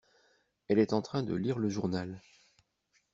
Elle est en train de lire le journal.